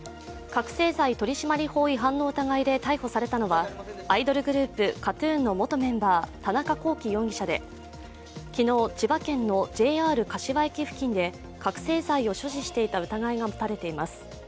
覚醒剤取締法違反の疑いで逮捕されたのは、アイドルグループ、ＫＡＴ−ＴＵＮの元メンバー、田中聖容疑者で昨日、千葉県のＪＲ柏駅付近で覚醒剤を所持していた疑いが持たれています。